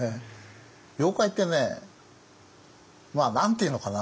妖怪ってね何て言うのかな